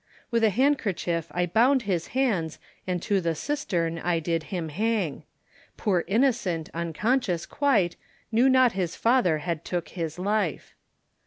With a handkerchief I bound his hands, And to the cistern I did him hang; Poor innocent, unconscious quite, Knew not his father had took his life.